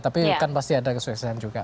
tapi kan pasti ada kesuksesan juga